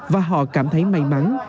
và họ cảm thấy may mắn